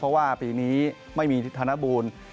เพราะว่าปีนี้ไม่มีธนบูล